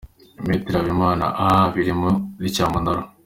Me Habimana: “Ahhhhh, biri muri cyamunara”